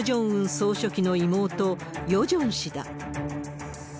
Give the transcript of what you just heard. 総書記の妹、ヨジョン氏だ。